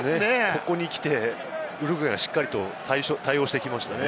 ここにきてウルグアイがしっかりと対応してきましたね。